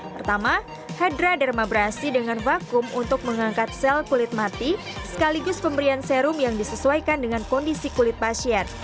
pertama hydra dermabrasi dengan vakum untuk mengangkat sel kulit mati sekaligus pemberian serum yang berbeda